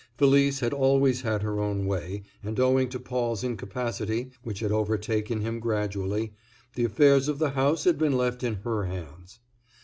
Felice had always had her own way, and owing to Paul's incapacity, which had overtaken him gradually, the affairs of the house had been left in her hands.